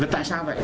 tại sao vậy